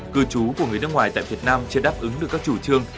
cư trú của người nước ngoài tại việt nam chưa đáp ứng được các chủ trương